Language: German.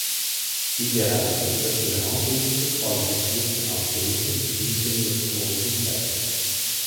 Die bereits über die Rangliste qualifizierten Athleten behielten ihre Quotenplätze.